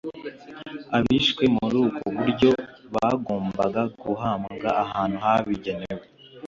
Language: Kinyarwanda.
abishwe muri ubwo buryo bagombaga guhambwa ahantu habigenewe.